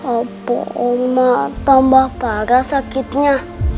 apa oma tambah parah sakitnya